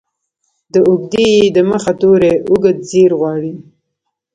د اوږدې ې د مخه توری اوږدزير غواړي.